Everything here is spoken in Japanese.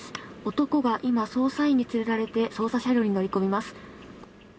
男が今、捜査員に連れられて捜査車両に乗り込みます。